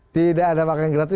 tidak ada makan gratis